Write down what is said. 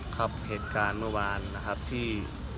ครับเหตุการณ์เมื่อวานนะครับที่